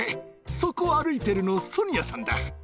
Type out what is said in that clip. そこを歩いてるの、ソニアさんだ。